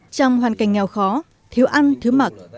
trong hoàn cảnh nghèo khó thiếu ăn thiếu mặc